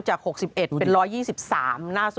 จาก๖๑เป็น๑๒๓